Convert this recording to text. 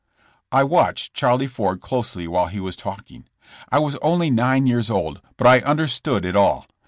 *' I watched Charlie Ford closely while he was talking. I was only nine years old but I understood it all.